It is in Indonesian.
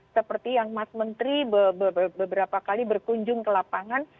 seperti yang mas menteri beberapa kali berkunjung ke lapangan